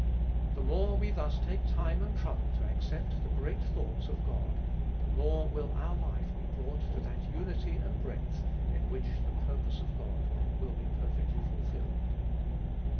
The more we thus take time and trouble to accept the great thoughts of God, the more will our life be brought to that unity and breadth, in which the purpose of God will be perfectly fulfilled.